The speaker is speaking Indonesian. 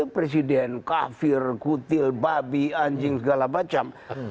presiden kafir kutil babi anjing segala macam